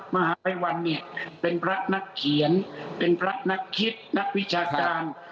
มหาภัยวันเนี่ยเป็นพระนักเขียนเป็นพระนักคิดนักวิชาการ